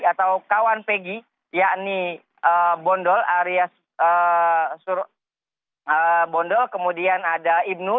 atau kawan pegi yakni bondol aryas bondol kemudian ada ibnu